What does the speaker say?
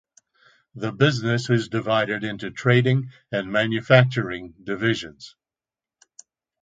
The business is divided into trading and manufacturing divisions.